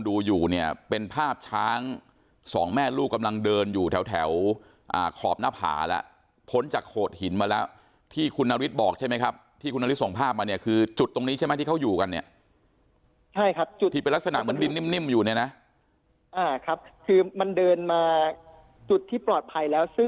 ดูอยู่เนี่ยเป็นภาพช้างสองแม่ลูกกำลังเดินอยู่แถวแถวขอบหน้าผาแล้วพ้นจากโขดหินมาแล้วที่คุณนฤทธิ์บอกใช่ไหมครับที่คุณนาริสส่งภาพมาเนี่ยคือจุดตรงนี้ใช่ไหมที่เขาอยู่กันเนี่ยใช่ครับจุดที่เป็นลักษณะเหมือนดินนิ่มอยู่เนี่ยนะคือมันเดินมาจุดที่ปลอดภัยแล้วซึ่ง